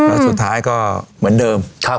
แล้วสุดท้ายก็เหมือนเดิม